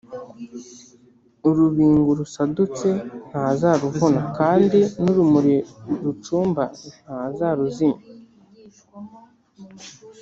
Urubingo rusadutse ntazaruvuna kandi n urumuri rucumba ntazaruzimya